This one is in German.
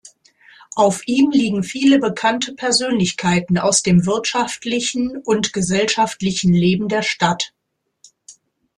Auf ihm liegen viele bekannte Persönlichkeiten aus dem wirtschaftlichen und gesellschaftlichen Leben der Stadt.